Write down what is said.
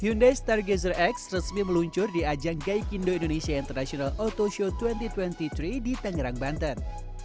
hyundai stargazer x resmi meluncur di ajang gaikindo indonesia international auto show dua ribu dua puluh tiga di tangerang banten